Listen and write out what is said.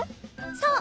そう。